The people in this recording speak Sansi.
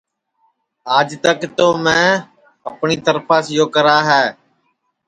آج تک تو میں اپٹؔی ترپھاس یو کرا ہے